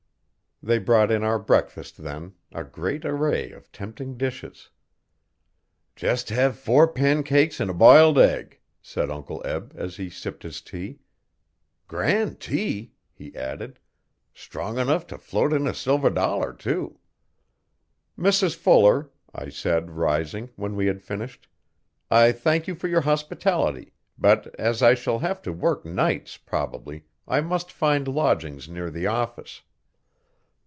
They brought in our breakfast then a great array of tempting dishes. 'Jest hev four pancakes 'n a biled egg,' said Uncle Eb as he sipped his tea. 'Grand tea!' he added, 'strong enough if float a silver dollar too. 'Mrs Fuller,' I said rising, when we had finished, 'I thank you for your hospitality, but as I shall have to work nights, probably, I must find lodgings near the office.